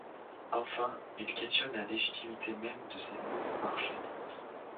Enfin, il questionne la légitimité même de ces nouveaux marchés.